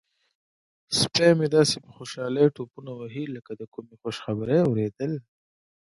سپی مې داسې په خوشحالۍ ټوپونه وهي لکه د کومې خوشخبرۍ اوریدل.